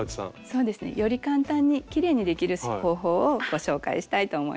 そうですねより簡単にきれいにできる方法をご紹介したいと思います。